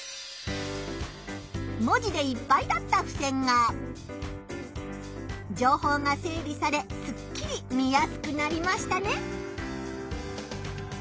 文字でいっぱいだったふせんが情報が整理されすっきり見やすくなりましたね。